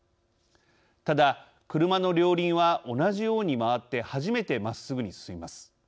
ただ、車の両輪は同じように回って初めてまっすぐに進みます。